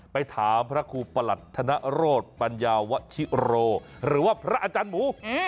ไปถามพระครูประหลัดธนโรธปัญญาวชิโรหรือว่าพระอาจารย์หมู